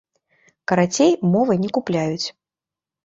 Карацей, мовай не купляюць.